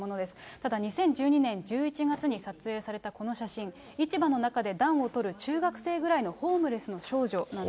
ただ２０１２年１１月に撮影されたこの写真、市場の中で暖をとる中学生ぐらいのホームレスの少女なんです。